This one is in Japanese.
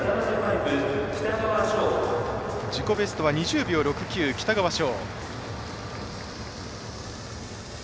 自己ベストは２０秒６９、北川翔。